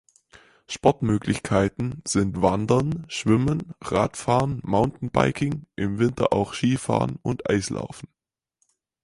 Sportmöglichkeiten sind Wandern, Schwimmen, Radfahren und Mountainbiking, im Winter auch Skifahren und Eislaufen.